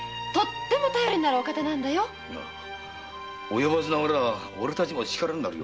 及ばずながらおれたちも力になるよ。